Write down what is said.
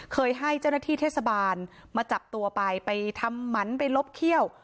เคยให้เจ้าหน้าที่เทศบาลมาจับตัวไปไปทำหมันไปลบเขี้ยว